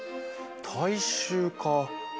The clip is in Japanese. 大衆化か。